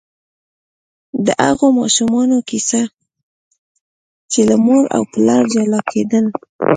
د هغو ماشومانو کیسه چې له مور او پلار جلا کېدل.